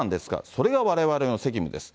それがわれわれの責務です。